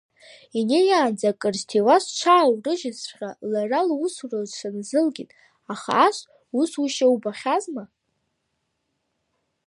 Инеиаанӡа акырзҭиуаз дшааурыжьызҵәҟьа, лара лусура лҽыназылкит, аха ас усушьа убахьазма.